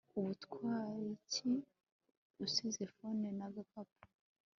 ubutwayiki usize phone nagakapu